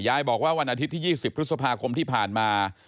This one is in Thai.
บอกว่าวันอาทิตย์ที่๒๐พฤษภาคมที่ผ่านมา